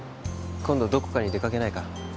今度どこかに出かけないか？